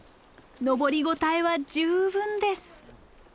登りごたえは十分です。